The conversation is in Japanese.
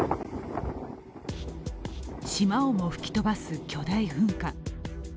島をも吹き飛ばす巨大噴火。